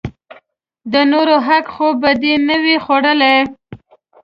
د نورو حق خو به دې نه وي خوړلئ!